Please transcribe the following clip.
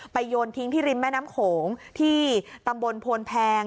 โยนทิ้งที่ริมแม่น้ำโขงที่ตำบลโพนแพง